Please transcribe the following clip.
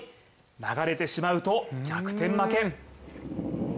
流れてしまうと、逆転負け。